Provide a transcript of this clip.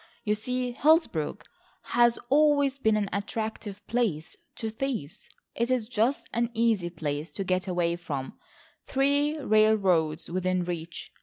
You see Hillsborough has always been an attractive place to thieves. It is such an easy place to get away from,—three railroads within reach.